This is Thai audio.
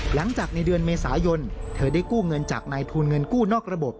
หลังจากในเดือนเมษายนเธอได้กู้เงินจากนายทุนเงินกู้นอกระบบ